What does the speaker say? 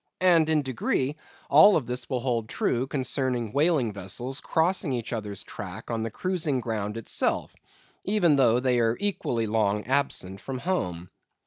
And in degree, all this will hold true concerning whaling vessels crossing each other's track on the cruising ground itself, even though they are equally long absent from home.